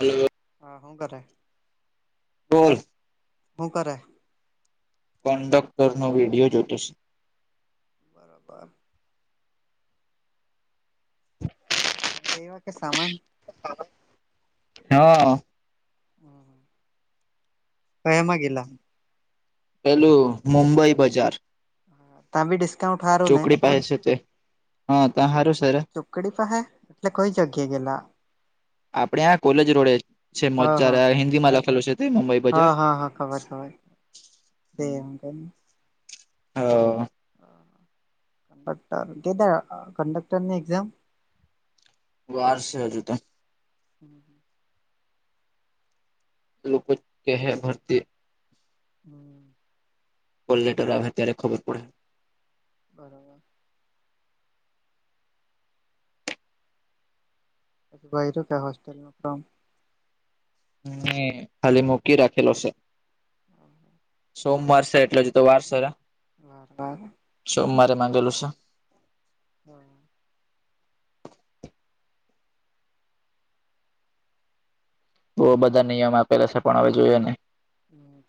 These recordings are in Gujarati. હલો હા હું કરે બોલ હું કરે કન્ડક્ટર નો વિડીયો જોતો છે બરાબર એ લ એવા કે સમમાન [unintelligible] હા હ કયામાંગેલા પેલું મુંબઈ બજાર ત્યાં બી ડિસ્કાઉન્ટ હારું ને ચોકડી પાસે છે તે હા ત સારો સાર ટુકડી પાસે એટલે કોઈ જગ્યા ગેલા આપડે આ્યાં કોલેજ રોડે છે હ હ મજા હિન્દી માં લખેલું છે તે મુંબઈ બજાર હા હા હા ખબર ખબર તે હંધ હવ કંડક્ટર કેધ કંડક્ટરની એક્ઝામ વાર સે અજી તો હમ હમ લોકો ક હૈ ભરતી હમ કોલલેટર આવે ત્યારે ખબર પડે બરાબર હોસ્ટલમાંમ ખાલી મૂકી રાખેલો છે સોમવાર છે એટલો જ તો વારસ હા. સોમવારે માંગેલું છે. હમ બ બધા નિયમ આપેલા છે પણ હવે જોઈએ ને.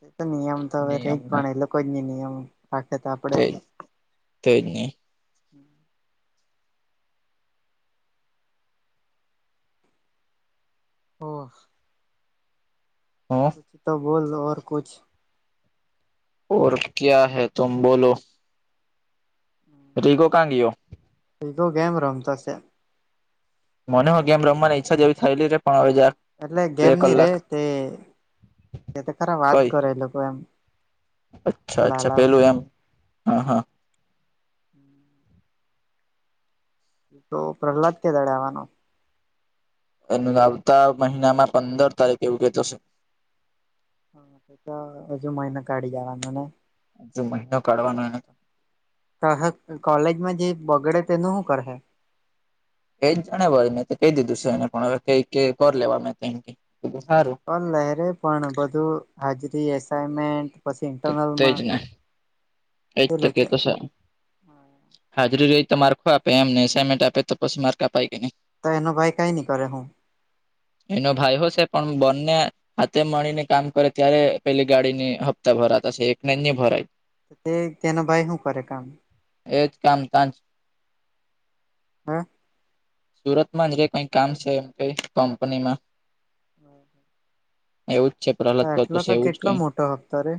એ તો નિયમ તો હવે રહી નિયમને પણ એ લોકો જ નહી નિયમ રાખે તો આપડે. તે જ ને. [inaudible] હોવ હમ્મ. તો બોલ દો ઔર કુછ. ઓર ક્યા હૈ તુમ બોલો. હમ્મ. રીકકો કાંગીઓ. ફધો ગમ રમતા છે. મને હ ગેમ રમવા ઈચ્છા જેવી થાયલી ર પણવેક એટલે ગેમની રે તે ખરા વાત કઈ કરે એ લોકો એમ. અચ્છા અચ્છા પેલું લાલાવાણી એમ હા હા. [inaudible] તો પ્રહલાદ કે દડે આવવાનો. એ આવતા મહિનામાં પંદર તારીખ એવું કેતો છે. હા તો હજુ મહિનો કાઢી જવાનું ને. મહિનો કાઢવાનો. કોલેજમાં જે બગડે તેનું શું કરે. એજ જાણ મેં તો કહી દીધું છે એને પણ હ ક લેવા મે ક સારું. ઓન લરે પણ બધું હાજરી એસાઈમેન્ટ પછી ઇન્ટરનલમાં તે લોકો એતકેતસા હાજરી રય તો માર્ખો આપે એમને એઇનમેન્ટ આપે તો પછી માર્ક અપાય કે નને. તો એનો ભાઈ કાંઈ નહી કરે હું. એનો ભાઈ હશે પણ બંને. હાતે મળીને કામ કરે ત્યારે પેલી ગાડીની હપ્તા ભરાતા છે એકને નહી ભરાય. તે તેનું ભાઈ હું કરે કામ. એજ કામ કાજ હા. સુરત માં જ કઈ કામ છે એમ કઈ કંપનીમાં એવું જ છે પ્રહલાદ કરતો એટલો છે તો એવું જ કેટલો કઈ. મોટો હપ્તો રે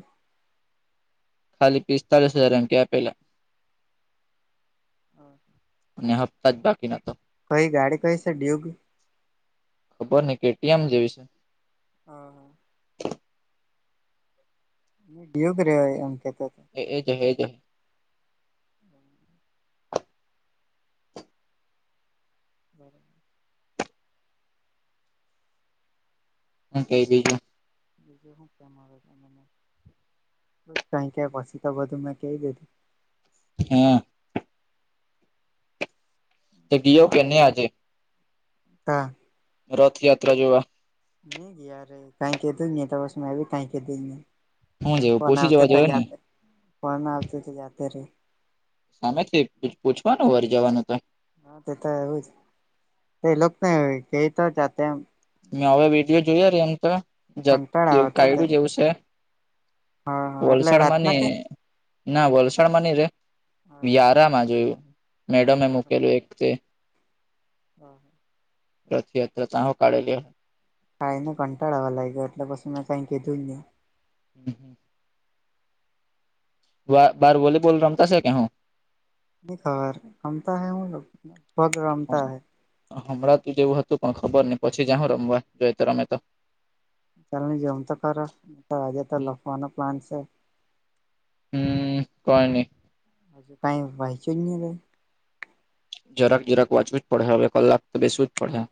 ખાલી પિસ્તાલીસ હજાર અંકે આપેલા. [inaudible] અને હપતા જ બાકીના તો. કઈ ગાડી કહી છે. ખબર ને કેટીએમ જેવી છે. હમ્મ. યયોગ રહ્ય એમ કેતો હતો. એ એ જ એ જ. [inaudible] હ કઈ બીજું. બીજું શું કે કઈ ક્યા પછી તો બધું મેં કહી દીધું. હમ્મ. તે ઘીયો કેને આજે. હા. રથયાત્રા જોવા ની ગયા રે કાઈ કેતી ની તો પસ તો મેં કાઈ કેતી ની હું જેવું ફોન પૂછી આવતે જવા તો જોઈએ ને જાતે, ફોન આવતે તો જાતે રે. સામેથી પૂ પૂછવાનું વડી જવાનું તોએ હા તે તો એવું જ, તે લોક તો કેતાતા તેમ મેં હવે વિડીયો જોયો રે એમ તો જ કંટાળ એવું આવતો હતો એમ કાગડું જેવું સ. હા હા એટલે વલસાડમાં રાતના ને કે ના વલસાડમાં નઈ રે હા હા વ્યારા માં જોયું. મેડમ એ મૂકેલું એક તે હા. રથયાત્રા તાઓ કાઢેલી હે. કાઈની કંટાળો આવા લાઈગે એટલે પસી મેં કાઈ કીધું ની હમ, હમ. બા બાર વોલીબોલ રમતાશે કે હું? ની ખબર રમતા હૈ હું લો પગ રમતા હૈ. હભલાતું જ એવું હતું પણ ખબર ની પછી જાહું રમવા જોઈ તો રમે તો ત્યાં હુધી જમ તો ખરો તો આજે તો લખવાનો પ્લાન સે. હમ કોઈ ની. કે ભાઈ વૈચુયુ જ ની કાઈ. જરાક જરાક વાચવું જ પડહે હવે કલાક તો બેસવું જ પડહે.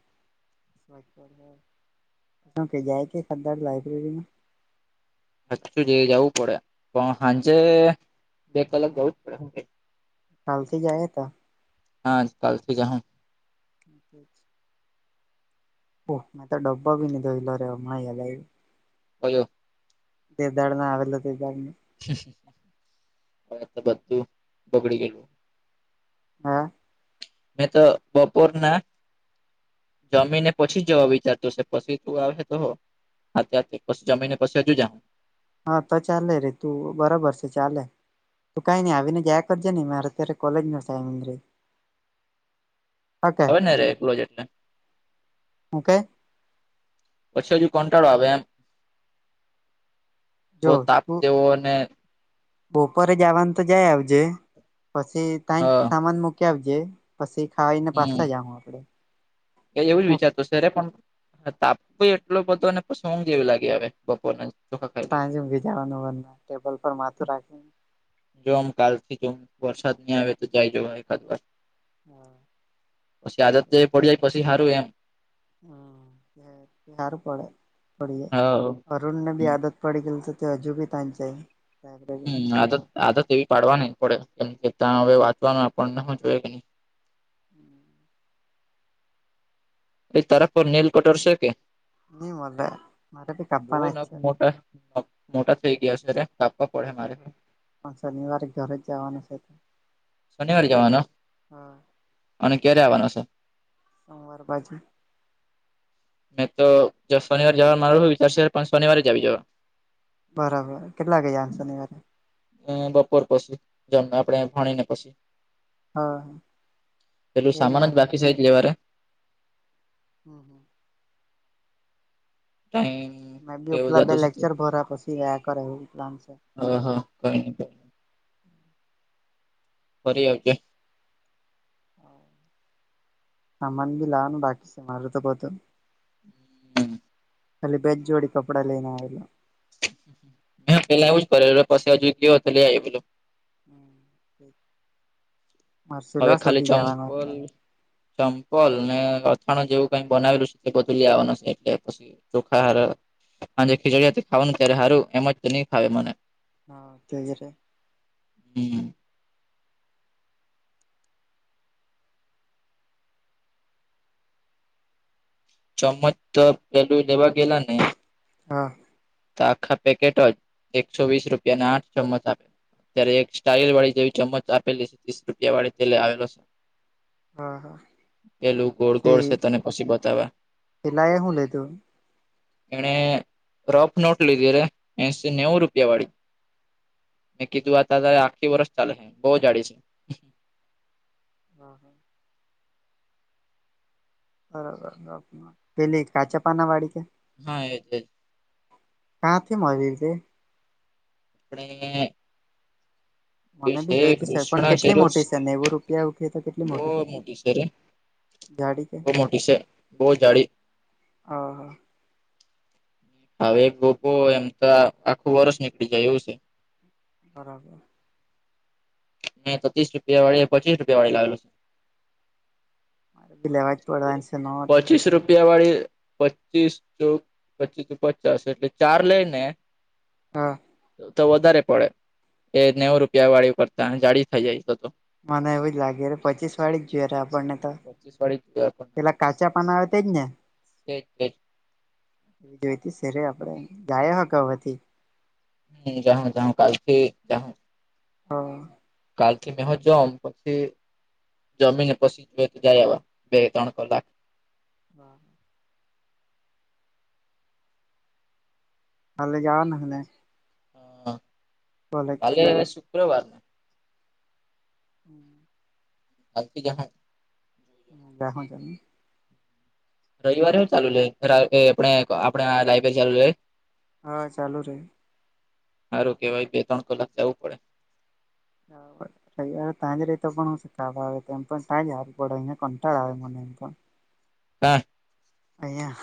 તું કે જાય કે ખદદર લાઈબ્રેરીમાં. [unintelligible] જાવું પડે પણ હાંજે લાયબ્રેરીમાં બે કલાક જવું જ પડે. કાલથી જાઈએ તો હા, કાલથી જાહું. ઠીક છે. પોહ મૈ તો ડબ્બો બી લીધો ઇતારે હમણાં યાદ આયુ. ઓલું તે દાડ ના આવેલો તે દાડ ને હવે તો બધું બગડી ગયેલું. હા. મેં તો બપોરના જમીને પછી જવા વિચારતું સે પસી તું આવેહે તો અત્યારથી પસ જમીને પસી હજુ જાહુ. હા તો ચાલે રે તું બરાબર છે ચાલે તું કાઈ ની આવીને જાયા કરજે ની મારે અત્યારે કોલેજ નો સમય રે. ઓકે હવે ના રે એકલો જૈતને. ઓકે પછી હજુ કંટાળો આવે એમ. જો બહુ તાપ તું જેવો અને બપોરે જાવવાનું તો જાય આવજે પસી તાઈ હ જ સામાન મૂકી આવજે પસી ખાઈને હમ પાસા જાહુ આપડે. એ એવું જ વિચારતો સે રે પણ આ તાપ બી એટલો બધો અને પસ ઊંઘ એવી લાગે આવે બપોરના ચોખા ખાઈ લઈ તાઈ તો. જ ઊંઘી જાવાનું ટેબલ પર માથું રાખી. જો આમ કાલથી જો વરસાદ ની આવે તો જાય જવા એકાદ વાર. હા. પસી આદત જે પડી જાય પસી હારું એમ. હમ, એ એ હારું પડે પડીએ હા અરુણને બી આદત પડી ગયેલ છે તો હજુબી ત્યાં જઈ. હમ, આદત આદત એવી પાડવાની પડે કેમ કે ત્યાં હવે વાંચવાનું આપણને હું જોઈએ કાઈ [inaudible] એ તારા પર નેલ કટર સે કે? ન મોલે મરાબ કપા ન છે હ મોટા થઈ ગયા છે અ કાપવા પડે મારે પણ શનિવારે ઘરે જવાનું છે તો શનિવારે જવાનો અને ક્યારે આવવાનો છે સોમવાર બાજુ મેં તો શનિવાર જવાર મારું હો ચાર પાંચ શનિવારે જાવી જવા બરાબર કેટલા ગયાશેનિવારે અ બપોર પછી જમ આપડે ભણી ને પછી હા પેલું સામાન જ યયારે. બાકી છે જ લેવા રે હમ હમ તો મેંી ઉપલબ્ધે લેક્ચર ભ પછી ગયા કર હું ઉપલામસે હ હા કો ન કો ફરી આવજ સામાન બી લાવવાનું બાકી છે મારે તો બધું ખાલી બેજ જોડી કપડા લેને આવેલો હ પેલા આવવું જ કરે પછી હજુ ગયો તો લઈ આવી પેલોું હમ માર્સેલસ જવાનું એટલે ચમ્પલ ને અથાણ જેવું કઈ બનાવેલું છે તે બધું લેવાનું છે એટલે પછી ચોખા હ ખીચડી ખાવાનું ત્યારે સારું એમજ નહી ખાવે મને હા તે જ્યારે હમ ચમચ તો પલુ લેવા ગલા નને હા તો આખા પેકેટ જ એકસો વીસ રૂપિયાને આઠ ચમ્મચ આપ ત્યારે એક સ્ટાલ વાળી જેવી ચમચ આપેલી છે ત્રીસ રૂપિયા વાળી તે લ આવેલો છે હા હા પેલું ગોળ ગોળ છે તને પછી બતાવા હિલાાય શુને તોું એણે રફ નોટ લીધી રે એસો નેવું રૂપિયા વાળી મેં કીધું આ ત આખી વર્ષ ચાલે છે બહુ જાડી છે હમ હા બરોબર પેલી કાચા પાના વાળી કે હા એ કાંથી મ અજલીથી આપડ કો મને છે બી જોઈતી સર પણ કૃષ્ણા છે ર કેટલી મોટી નેવું રૂપિયા ઉઠી તો કેટલી બહ મોટી છે રે. જાડી કે બહુ મોટી છે બહુ જાડી. હા. હવે એક ગોપો એમ તો આખું વર્ષ નીકળી જાય એવું છે. બરાબર. નહી તો ત્રીસ રૂપિયા વાળી પચીસ રૂપિયા વાળી લાવેલો છે. મારે બિલેવા પડવાની છે નોટ. પચીસ રૂપિયા વાળી પચીસ ચો પચીસ પચાસ એટલે ચાર લઈ ને હા. તો વધારે પડે એ નેવું રૂપિયા વાળી કરતા જાળી થઈ જાય તો તો. મને એવું જ લાગે પચી વાળડીક જોયએ આપણને. પચીસ વાળી પેલા કાચા પાના આવે તેજ ને? તે તે જ. એ જોઈ સે ર આપડે ગાય બથી. હ જાહું જાહું કાલ થી જાહું હ. કાલથી મે હોં જામ પછી જમીને પછી જોઈ તો જાય આવા બે ત્રણ કલાક. હા. હાલે જવા ના અહે ને હ કાલે શુક્રવાર. હમ આજ થી જાહું. હ જાહું ચાલ ને. રવિવારે હો ચાલુ રેય આપણે લાઈબ્રેરી ચાલુ રહે. હવે ચાલુ રેય. સારું કેવાય બે ત્રણ કલાક જાવું પડે. હા. રયરે ત્યાં જ રહીતો પણ હું કા આવે એ પણ તાં જ હારું પડે અહં કંટાળ આવે મને એમ પણ. કા? અહીંયા.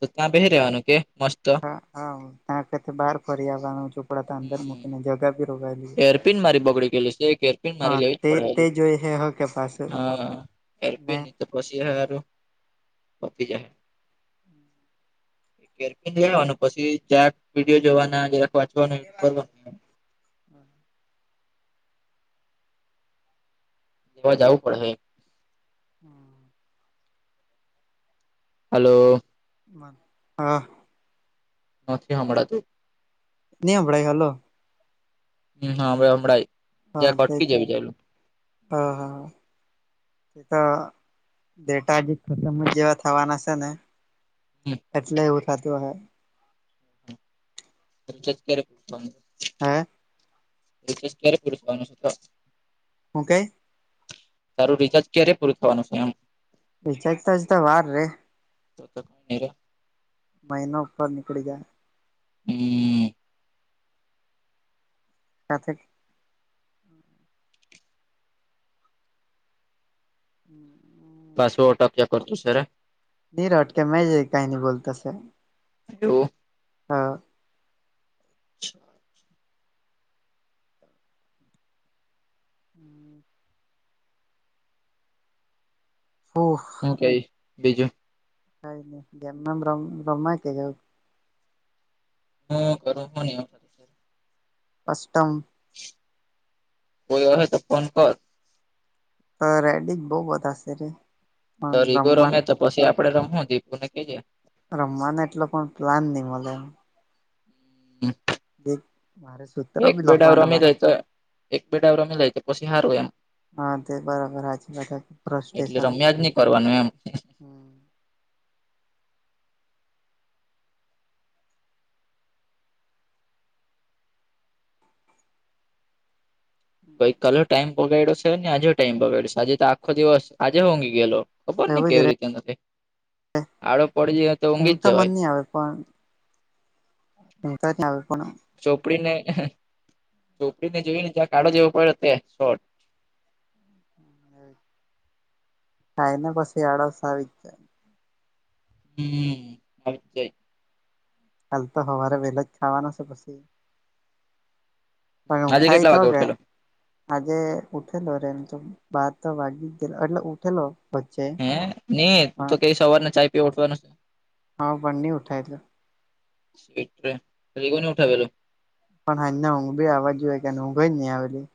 તો ત્યાં બેહી રહેવાનું કે મસ્ત. હા ત બાર ફરી આવવાનું ચોપડા અંદર હમ મૂકીને જગા બી રોકાયેલી એરપિન મારી બગડી ગયેલી છે એક એરપિન હા મારી લેવી જ તે પડે તે જોઈ હે હ કે પાછું અ. જુ ને એરપી નિતપછી પપી જ એરપિન લેય લેવાનું પછી જરાક વિડીયો જોવાના જરાક વાંચવાનું એવું કરવાનું. લેવા જવું પડહે. હમ હાલો. હા. નથી હમણાં. ની હંભલાય હાલો હમ હાવે હભળાય. હા તે હા હા હ તે તો ડેટાજી ખતમ જ જેવા થવાના છે ને હમ એટલે એવું થતું હશે. ત કે [unintelligible] હે [unintelligible] હું કેય? તારું રિચાર્જ ક્યારે પૂરું થવાનું છે એમ? ર ચજતાજતા વાાર રે. તો તો પણ. મહના ઉપર નનીળી ગયા. હમ. સાથેથ. હમ હ. પાસવટપ્યા કરતોું સર. નિનીરટકે મે જ કઈ ન બોલતાશે. હ. હા. અચ્ા. હમ. હ. હું કઈશ બીજું. ક નને ગમમ બ્રમ્ કે જ [unintelligible] હું ઘર હો [unintelligible] કસ્ટમ કોઈ હ તો ફોન કર. સર રડિક બહુ બતા હશે રે [unintelligible] તો પણ રીગો રમવા રમે તો પછી આપડે રમો દીપુ ને કહીજ. રમવાનો એટલો પણ પ્લાન નહી મળે હમ. [unintelligible] એક મારે [unintelligible] એક બેડ આવ લખવાના રમી બાકી જાય તો એક બેડ રમી લ તો પછી સારવું એમ. હા તે બરાબર હજબત એટલે ફસ્ટેશન રમ્યા જ નહી કરવાનું એમ હમ. કોઈ કાલલો ટાઈમ પગાડ્યો છે ને આજે ટાઈમ પગાડ્યો આજે તો આખો દિવસ આજે ંઘી ગયેલો. ખબર ને કેવી રીતે નથી. આડો પડી જાય ઊંમ ઊંઘી જ તો મન જવાય નહી આવે પણ. એક નાભિપન. ચોપડીને ચોપડી ને જોઈ ને જ્યાં કાળો જેવો પડ્યો તે શોટ. કાય ના કસ આળસ આવી. હમ. હ જય [unintelligible] કાલ તો સવારે વહેલા જ ખાવાના છે પછી. પણ આજે ઉઠાય કેટલા તો વાગે કે. ઉઠેલો આજે ઉઠેલો રેમ તો બાર તો વાગી ગેલો એટલે ઉઠેલો. વચ્ચે હે નહી તું તો પણ કઈ સવારને ચાય પી ઉઠવાનું છે. હા બંની ઉઠાય છે. સટ કોઈ ઉઠાવેલું. [unintelligible] પણ હા ના ઊંઘ બી આવવા જો હોય કે ઊંઘ હોય નહીં આવેલી.